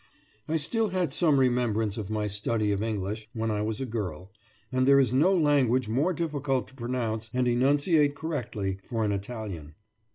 I still had some remembrance of my study of English when I was a girl, and there is no language more difficult to pronounce and enunciate correctly, for an Italian.